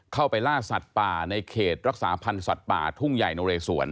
เข้าไปล่าสัตว์ป่าในเขตรักษาพันธ์สัตว์ป่าทุ่งใหญ่นเรสวน